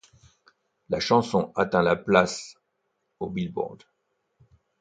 La chanson atteint la place au Billboard.